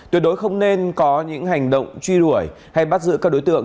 tuyệt đối không nên có những hành động truy đuổi hay bắt giữ các đối tượng